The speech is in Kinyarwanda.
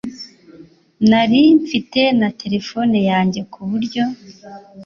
Nari mfite na terefone yanjye kuburyo